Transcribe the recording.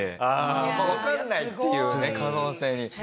ああわかんないっていうね可能性に。